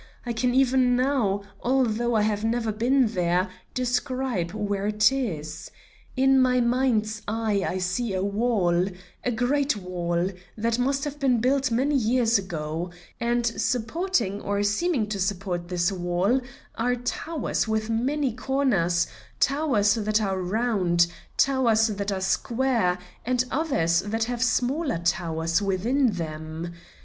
I can even now, although I have never been there, describe where it is. In my mind's eye I see a wall, a great wall, that must have been built many years ago, and supporting or seeming to support this wall are towers with many corners, towers that are round, towers that are square, and others that have smaller towers within them.